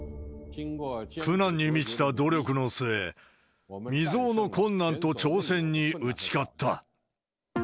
苦難に満ちた努力の末、未曽有の困難と挑戦に打ち勝った。